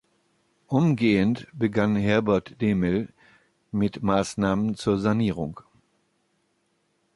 Umgehend begann Herbert Demel mit Maßnahmen zur Sanierung.